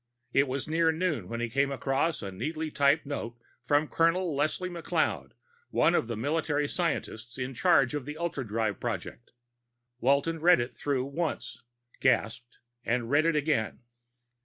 It was nearly noon when he came across the neatly typed note from Colonel Leslie McLeod, one of the military scientists in charge of the ultradrive project. Walton read it through once, gasped, and read it again.